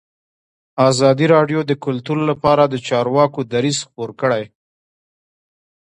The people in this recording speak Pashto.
ازادي راډیو د کلتور لپاره د چارواکو دریځ خپور کړی.